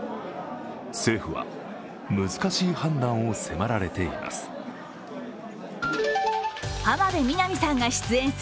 政府は難しい判断を迫られています。